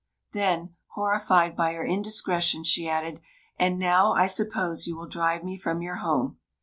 Then, horrified by her indiscretion, she added: "And now, I suppose, you will drive me from your home."